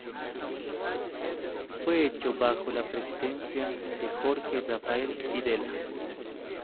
Fue hecho bajo la presidencia de Jorge Rafael Videla.